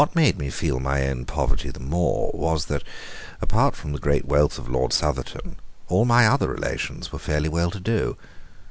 What made me feel my own poverty the more was that, apart from the great wealth of Lord Southerton, all my other relations were fairly well to do.